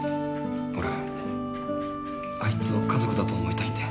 俺あいつを家族だと思いたいんで。